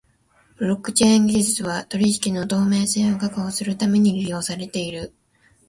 ブロックチェーン技術は取引の透明性を確保するために利用されている。